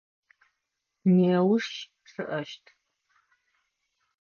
Неущ чъыӏэщт.